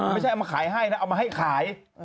ไม่ใช่เอามาขายให้นะเอามาให้ขาย